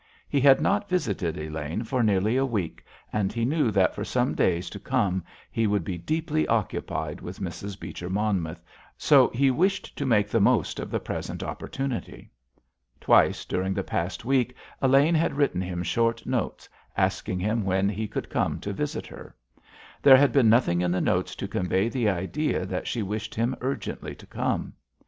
He had not visited Elaine for nearly a week, and he knew that for some days to come he would be deeply occupied with Mrs. Beecher Monmouth, so he wished to make the most of the present opportunity. Twice during the past week Elaine had written him short notes asking him when he could come to visit her. There had been nothing in the notes to convey the idea that she wished him urgently to come.